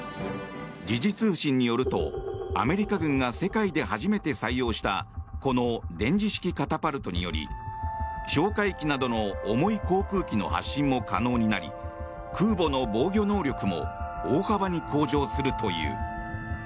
時事通信によるとアメリカ軍が世界で初めて採用したこの電磁式カタパルトにより哨戒機などの重い航空機の発進も可能になり空母の防御能力も大幅に向上するという。